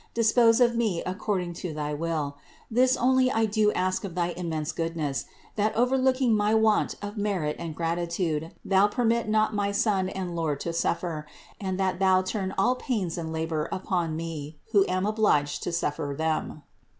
Dispose of me according to thy will. This only do I ask of thy immense goodness, that, overlooking my want of merit and gratitude, Thou permit not my Son and Lord to suffer, and that Thou turn all pains and labor upon me, who am obliged to suffer them."